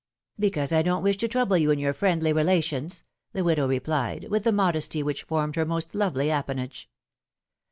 Because I don't wish to trouble you in your friendly relations," the widow replied, with the modesty which formed her most lovely appanage.